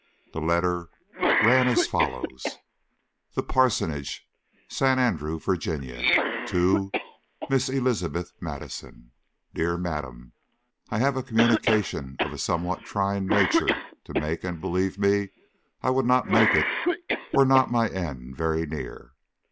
The letter ran as follows: THE PARSONAGE, ST. ANDREW, VIRGINIA. To MISS ELIZABETH MADISON: DEAR MADAM, I have a communication of a somewhat trying nature to make, and believe me; I would not make it were not my end very near.